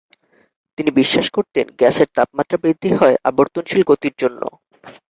তিনি বিশ্বাস করতেন গ্যাসের তাপমাত্রা বৃদ্ধি হয় আবর্তনশীল গতির জন্যে।